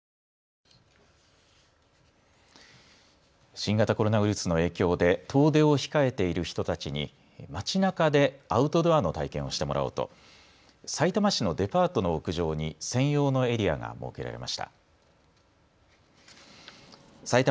新型コロナウイルスの影響で遠出を控えている人たちに街なかでアウトドアの体験をしてもらおうとさいたま市のデパートの屋上に専用のエリアが設けられました。